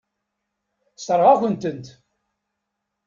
Sseṛɣeɣ-akent-tent.